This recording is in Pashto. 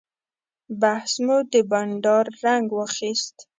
بحث مو د بانډار رنګ واخیست.